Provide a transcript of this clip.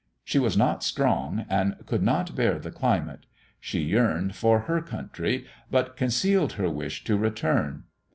She was not strong, and could not bear the climate. She yearned for her country, but concealed her wish to return.